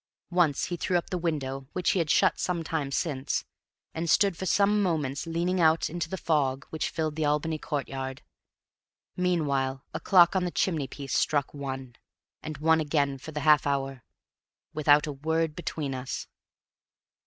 Once he threw up the window, which he had shut some time since, and stood for some moments leaning out into the fog which filled the Albany courtyard. Meanwhile a clock on the chimney piece struck one, and one again for the half hour, without a word between us.